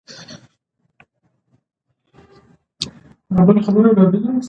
میندې خپلو ماشومانو ته خواړه ورکوي.